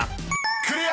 ［クリア！］